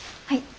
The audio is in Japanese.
はい。